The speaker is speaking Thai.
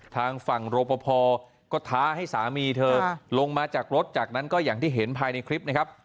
ทางฝั่งรปภก็ท้าให้สามีเธอลงมาจากรถจากนั้นก็อย่างที่เห็นภายในคลิปนะครับ